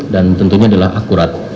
dan tentunya adalah akurat